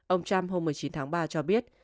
ông trump hôm một mươi chín tháng ba cho biết